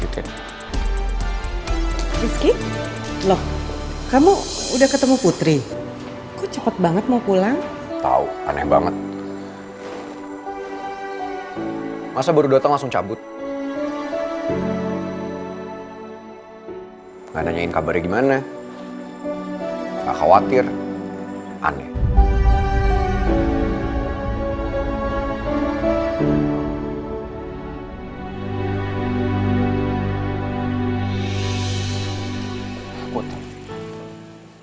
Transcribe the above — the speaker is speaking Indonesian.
tuh kan usus goreng